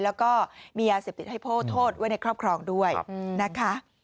แล้วก็มียาเสพติดให้โทษโทษไว้ในครอบครองด้วยนะคะ